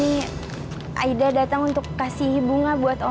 ini aida datang untuk kasih bunga buat orang